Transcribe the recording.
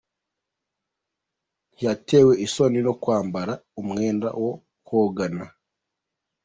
Ntiyatewe isoni no kwambara umwenda wo kogana.